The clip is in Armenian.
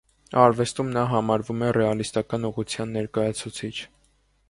Արվեստում նա համարվում է ռեալիստական ուղղության ներկայացուցիչ։